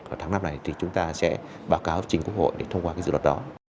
vào tháng năm này thì chúng ta sẽ báo cáo chính quốc hội để thông qua cái dự luật đó